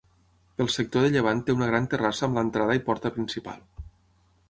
Pel sector de llevant té una gran terrassa amb l'entrada i porta principal.